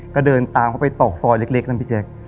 ก็เดินตามเขาไปตอกซอยเล็กนะพี่แจ๊ค